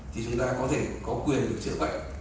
thì chúng ta có thể có quyền được chữa bệnh